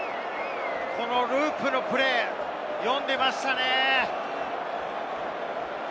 このループのプレー、読んでましたね。